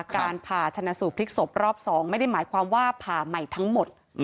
การผ่าชนะสูตรพลิกศพรอบ๒ไม่ได้หมายความว่าผ่าใหม่ทั้งหมด